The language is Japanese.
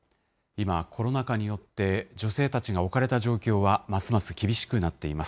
今、コロナ禍によって、女性たちが置かれた状況はますます厳しくなっています。